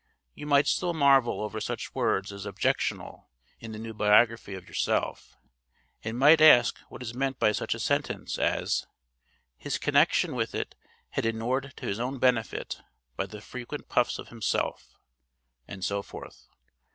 You might still marvel over such words as 'objectional' in the new biography of yourself, and might ask what is meant by such a sentence as 'his connection with it had inured to his own benefit by the frequent puffs of himself,' and so forth.